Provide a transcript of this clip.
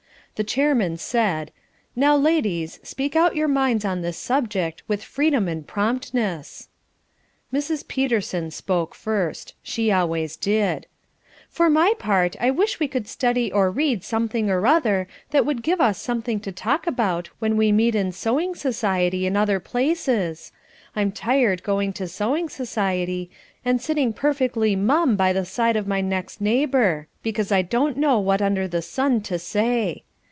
The chairman said: "Now, ladies, speak out your minds on this subject with freedom and promptness." Mrs. Peterson spoke first she always did "For my part I wish we could study or read something or other that would give us something to talk about when we meet in sewing society and other places. I'm tired going to sewing society and sitting perfectly mum by the side of my next neighbour, because I don't know what under the sun to say.